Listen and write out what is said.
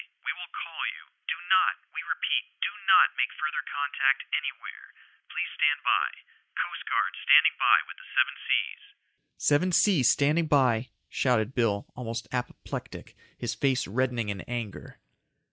We will call you. Do not, we repeat, do not make further contact anywhere. Please stand by. Coast Guard standing by with the Seven Seas." "Seven Seas standing by," shouted Bill, almost apoplectic, his face reddening in anger.